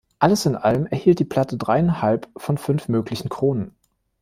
Alles in allem erhielt die Platte dreieinhalb von fünf möglichen Kronen.